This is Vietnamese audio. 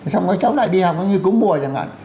xong các cháu lại đi học như cúng bùa chẳng hạn